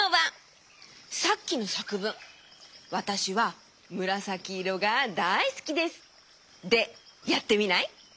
さっきのさくぶん「わたしはむらさきいろがだいすきです」でやってみない？